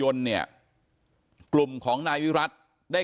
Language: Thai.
ก็ได้รู้สึกว่ามันกลายเป้าหมาย